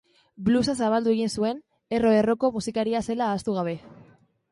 Bluesa zabaldu egin zuen, erro-erroko musikaria zela ahaztu gabe.